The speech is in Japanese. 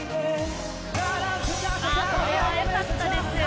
これはよかったですよ！